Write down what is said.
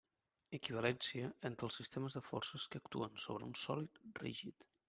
Equivalència entre els sistemes de forces que actuen sobre un sòlid rígid.